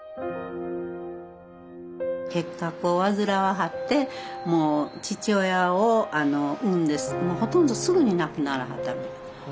結核を患わはってもう父親を産んでもうほとんどすぐに亡くならはったみたい。